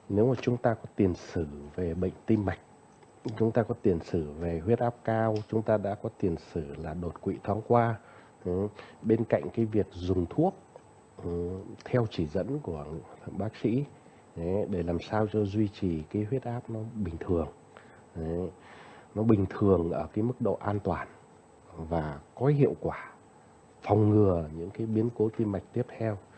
nếu mà chúng ta có tiền sử về bệnh tim mạch chúng ta có tiền sử về huyết áp cao chúng ta đã có tiền sử là đột quỵ tháng qua bên cạnh cái việc dùng thuốc theo chỉ dẫn của bác sĩ để làm sao cho duy trì cái huyết áp nó bình thường nó bình thường ở cái mức độ an toàn và có hiệu quả phòng ngừa những cái biến cố tim mạch tiếp theo